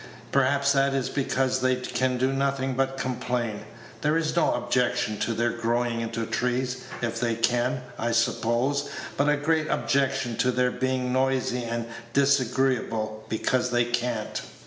Perhaps that is because they can do nothing but complain. There is no objection to their growing into trees, if they can, I suppose, but a great objection to their being noisy and disagreeable because they can't.